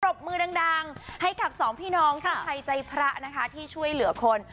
บมือดังให้กับสองพี่น้องกู้ภัยใจพระนะคะที่ช่วยเหลือคน